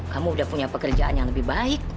kamu udah punya pekerjaan yang lebih baik